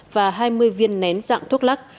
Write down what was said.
và hai mươi viên nén dạng thuốc lắc